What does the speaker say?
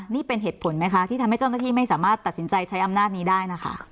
นี่เป็นเหตุผลไหมคะที่ทำให้เจ้าหน้าที่ไม่สามารถตัดสินใจใช้อำนาจนี้ได้นะคะ